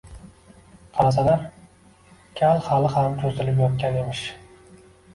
Qarasalar, kal hali ham cho‘zilib yotgan emish